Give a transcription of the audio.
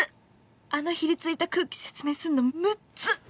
あのひりついた空気説明すんのむっず